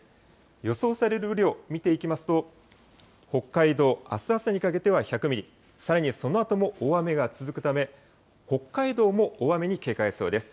予想される雨量、見ていきますと、北海道、あす朝にかけては１００ミリ、さらにそのあとも大雨が続くため、北海道も大雨に警戒が必要です。